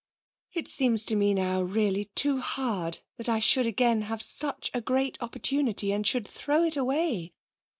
'It seems to me now really too hard that I should again have such a great opportunity and should throw it away.